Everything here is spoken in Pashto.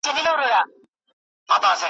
جاله هم سوله پر خپل لوري روانه `